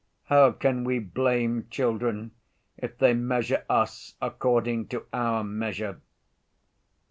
How can we blame children if they measure us according to our measure?